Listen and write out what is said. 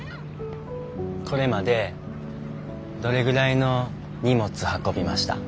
これまでどれぐらいの荷物運びました？